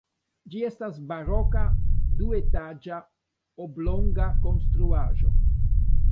Ĝi estas baroka duetaĝa oblonga konstruaĵo.